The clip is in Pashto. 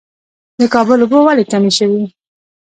د کابل اوبه ولې کمې شوې؟